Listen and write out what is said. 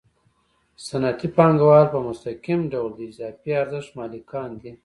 صنعتي پانګوال په مستقیم ډول د اضافي ارزښت مالکان دي